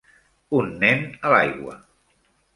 Un nen a l'aigua.